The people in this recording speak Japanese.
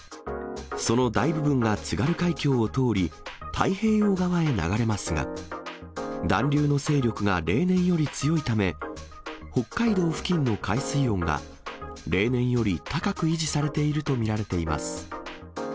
その大部分が津軽海峡を通り、太平洋側へ流れますが、暖流の勢力が例年より強いため、北海道付近の海水温が例年より高く維持されていると見られます。